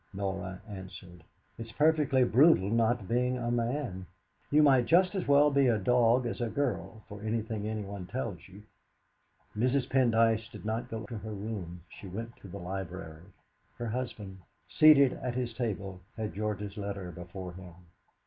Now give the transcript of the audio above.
Norah answered "It's perfectly brutal not being a man. You might just as well be a dog as a girl, for anything anyone tells you!" Mrs. Pendyce did not go to her room; she went to the library. Her husband, seated at his table, had George's letter before him.